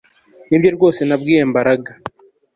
Nibyo rwose nabwiye Mbaraga